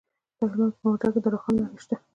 د هلمند په مارجه کې د رخام نښې شته.